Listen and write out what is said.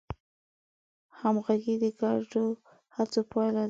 همغږي د ګډو هڅو پایله ده.